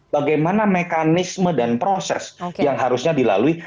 bagaimana mekanisme dan proses yang harusnya dilalui